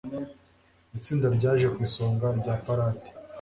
Itsinda ryaje ku isonga rya parade.